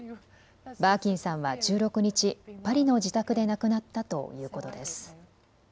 バーキンさんは１６日、パリの自宅で亡くなったということです。